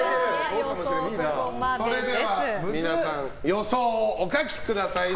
それでは皆さん予想をお書きください。